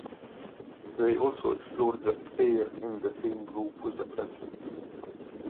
They also explored the fair in the same group with the Princess.